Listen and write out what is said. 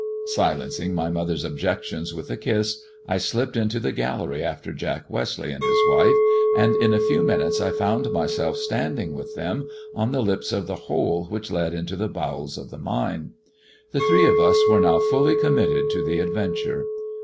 Silencing my mother's objections with a kiss, I slipped into the gallery after Jack Westleigh and his wife, and in a few minutes I found myself standing with them on the lips of the hole which led into the bowels of the mine. The three of us were now fully committed to the adventure.